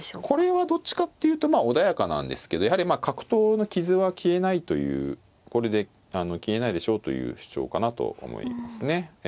これはどっちかっていうとまあ穏やかなんですけどやはりまあ角頭の傷は消えないというこれで消えないでしょうという主張かなと思いますね。